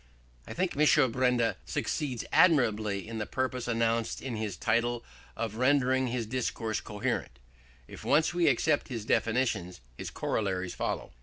I think M. Benda succeeds admirably in the purpose announced in his title of rendering his discourse coherent. If once we accept his definitions, his corollaries follow.